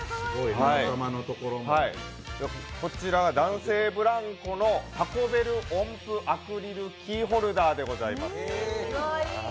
こちらは男性ブランコの運べる音符アクリルキーホルダーでございます。